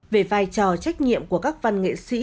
về vai trò trách nhiệm của các văn nghệ sĩ